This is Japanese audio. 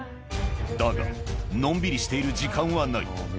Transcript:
だがのんびりしている時間はない